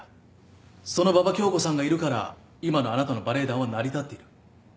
その馬場恭子さんがいるから今のあなたのバレエ団は成り立っている。